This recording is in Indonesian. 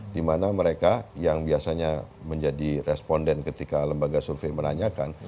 dimana mereka yang biasanya menjadi responden ketika lembaga survei menanyakan